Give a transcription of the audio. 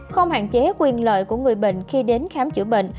không hạn chế quyền lợi của người bệnh khi đến khám chữa bệnh